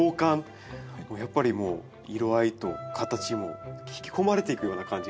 やっぱり色合いと形も引き込まれていくような感じがします。